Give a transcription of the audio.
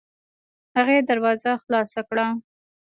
هغې دروازه خلاصه کړه.